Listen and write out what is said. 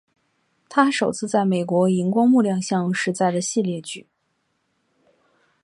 她首次在美国萤光幕亮相是在的系列剧。